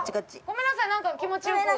ごめんなさいなんか気持ち良く。